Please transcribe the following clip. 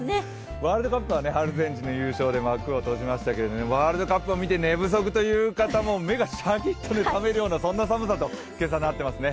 ワールドカップはアルゼンチンの優勝で幕を閉じましたけどワールドカップを見て寝不足という方も、目がシャキッと覚めるような、そんな寒さと今朝はなっていますね。